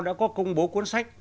đã có công bố cuốn sách